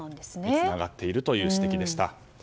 つながっているという指摘でした。